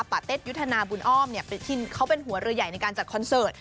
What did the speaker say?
เต็ดยุทธนาบุญอ้อมเขาเป็นหัวเรือใหญ่ในการจัดคอนเสิร์ต